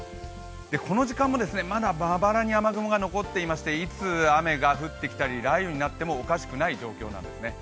この時間も、まだまばらに雨雲が残っていましていつ雨が降ってきたり雷雨になってもおかしくない状況なんですね。